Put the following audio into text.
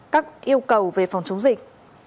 các yêu cầu về phòng chống dịch